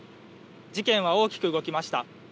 事件は大きく動きました。